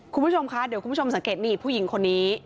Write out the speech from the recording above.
คุณผู้ชมคะเดี๋ยวคุณผู้ชมสังเกตนี่ผู้หญิงคนนี้